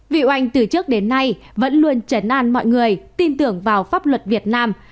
vịu anh từ trước đến nay vẫn luôn chấn an mọi người tin tưởng vào pháp luật việt nam